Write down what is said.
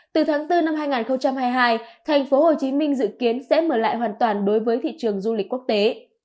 từ tháng bốn năm hai nghìn hai mươi hai thành phố hồ chí minh dự kiến sẽ mở lại hoàn toàn đối với thị trường du lịch quốc tế